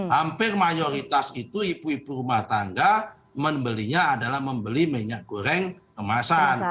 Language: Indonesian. hampir mayoritas itu ibu ibu rumah tangga membelinya adalah membeli minyak goreng kemasan